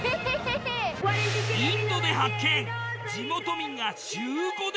インドで発見！